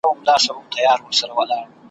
د سباوون په انتظار چي ومه ,